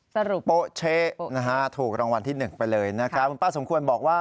โป๊เช๊นะฮะถูกรางวัลที่๑ไปเลยนะครับคุณป้าสมควรบอกว่า